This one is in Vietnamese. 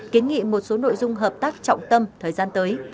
kiến nghị một số nội dung hợp tác trọng tâm thời gian tới